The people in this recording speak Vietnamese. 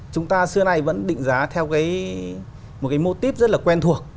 chúng ta xưa nay vẫn định giá theo một cái mô típ rất là quen thuộc